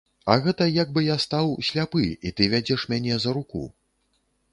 А гэта як бы я стаў сляпы і ты вядзеш мяне за руку.